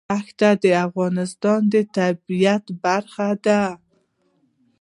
دښتې د افغانستان د طبیعت برخه ده.